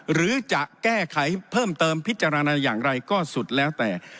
หรือจะแก้ไขเพิ่มเติมพิจารณาอย่างไรก็สุดแล้วแต่